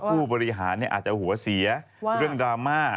ผู้บริหารอาจจะหัวเสียเรื่องดราม่า